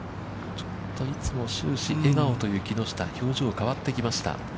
ちょっと、いつも終始笑顔という木下、表情が変わってきました。